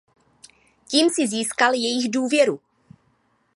Tím si získal jejich důvěru.